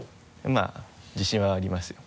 まぁ自信はありますよ。